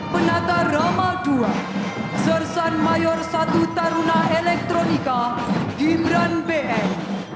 pendata roma dua sersan mayor satu taruna elektronika dibran bn